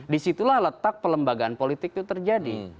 disitulah letak pelembagaan politik itu terjadi